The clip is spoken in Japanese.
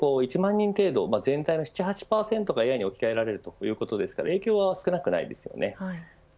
とはいえ１万人程度全体の７、８％がＡＩに置き換えられるわけですから影響は少ないですね。